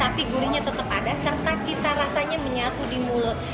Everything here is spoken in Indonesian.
tapi gurihnya tetap ada serta cita rasanya menyatu di mulut